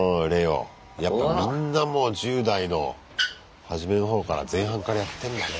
やっぱみんなもう１０代のはじめのほうから前半からやってんだね。